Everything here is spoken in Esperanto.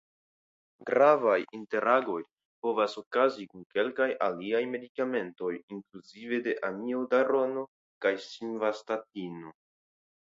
Gravaj interagoj povas okazi kun kelkaj aliaj medikamentoj inkluzive de Amiodarono kaj Simvastatino.